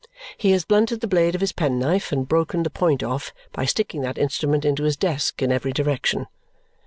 He has blunted the blade of his penknife and broken the point off by sticking that instrument into his desk in every direction.